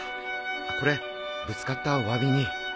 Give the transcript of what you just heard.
これぶつかったおわびに。